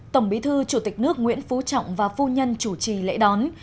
tổng bí thư chủ tịch nước nguyễn phú trọng và phu nhân chủ trì lễ đón